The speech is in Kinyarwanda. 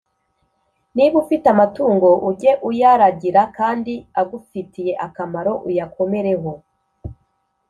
Niba ufite amatungo, ujye uyaragira, kandi agufitiye akamaro, uyakomereho